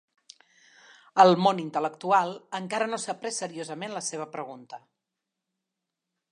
El món intel·lectual encara no s'ha pres seriosament la seva pregunta.